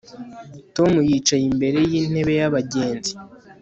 Tom yicaye imbere yintebe yabagenzi